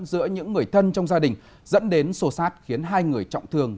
giữa những người thân trong gia đình dẫn đến sổ sát khiến hai người trọng thương